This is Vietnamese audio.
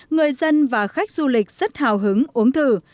người dân và khách du lịch rất hào hứng uống thử